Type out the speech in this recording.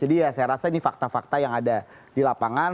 jadi ya saya rasa ini fakta fakta yang ada di lapangan